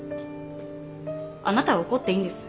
あなたは怒っていいんです。